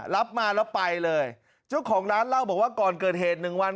รับมาแล้วไปเลยเจ้าของร้านเล่าบอกว่าก่อนเกิดเหตุหนึ่งวัน